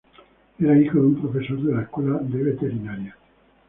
Era hijo de un profesor de la Escuela de Veterinaria.